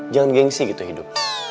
jangan gengsi gitu hidup